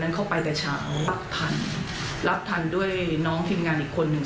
เข้าไปแต่เช้ารับทันรับทันด้วยน้องทีมงานอีกคนหนึ่ง